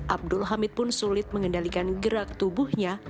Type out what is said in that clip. abdul hamid pun sulit mengendalikan gerak tubuhnya